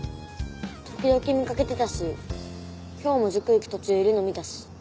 時々見掛けてたし今日も塾行く途中いるの見たし。